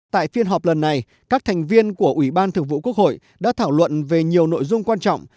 tại phiên họp lần này các thành viên của ủy ban thường vụ quốc hội đã thảo luận về nhiều nội dung quan trọng